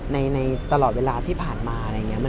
ในตลอดเวลาที่ผ่านมาอะไรเงี้ย